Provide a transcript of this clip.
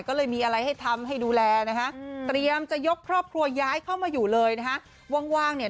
ก็เลยมีอะไรให้ทำให้ดูแลนะฮะเตรียมจะยกครอบครัวย้ายเข้ามาอยู่เลยนะฮะว่างเนี่ย